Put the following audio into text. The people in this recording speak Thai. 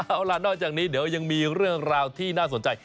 เอาล่ะนอกจากนี้เดี๋ยวยังมีเรื่องราวที่น่าสนใจ